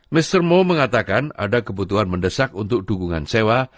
mr moe mengatakan ada kebutuhan mendesak untuk dukungan sewa